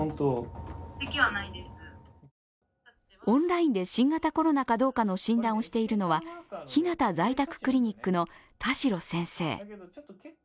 オンラインで新型コロナかどうかの診断をしているのはひなた在宅クリニックの田代先生。